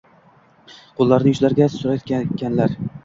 Qo’llarini yuzlariga surarkanlar